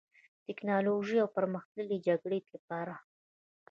د ټیکنالوژۍ او پرمختللې جګړې لپاره